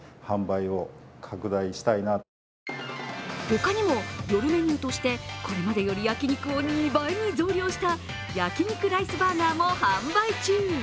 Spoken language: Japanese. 他にも、夜メニューとしてこれまでより焼き肉を２倍に増量した焼肉ライスバーガーも販売中。